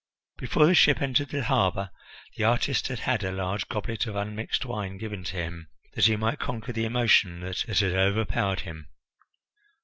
Before the ship entered the harbour, the artist had had a large goblet of unmixed wine given to him, that he might conquer the emotion that had overpowered him.